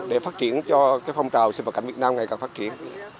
để phát triển cho phong trào sinh vật cảnh việt nam ngày càng phát triển